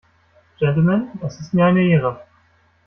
Gentlemen, es ist mir eine Ehre!